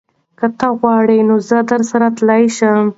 که ته وغواړې نو زه درسره تلی شم.